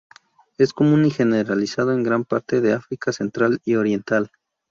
Es común y generalizado en gran parte de África central y oriental.